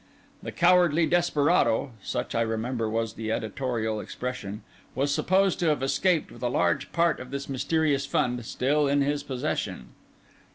"The cowardly desperado"—such, I remember, was the editorial expression—was supposed to have escaped with a large part of this mysterious fund still in his possession.